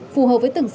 phù hợp với từng dịch